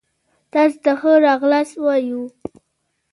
تاسي ته ښه را غلاست وايو